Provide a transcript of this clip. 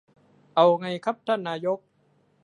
เอาไงครับท่านนายก